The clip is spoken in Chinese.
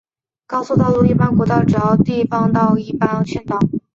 高速道路一般国道主要地方道一般县道